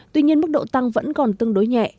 tuy nhiên mức độ tăng vẫn còn tương đối nhẹ